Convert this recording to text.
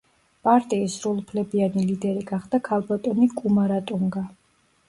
პარტიის სრულუფლებიანი ლიდერი გახდა ქალბატონი კუმარატუნგა.